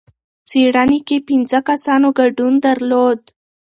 څېړنې کې پنځه کسانو ګډون درلود.